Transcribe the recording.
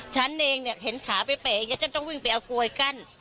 ฉันเองเนี่ยเห็นขาไปเป๋อย่างนี้ฉันต้องวิ่งไปเอากลวยกั้น